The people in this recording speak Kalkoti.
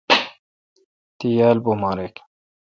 تی یال بومارک۔